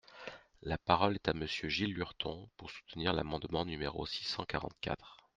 La parole est à Monsieur Gilles Lurton, pour soutenir l’amendement numéro six cent quarante-quatre.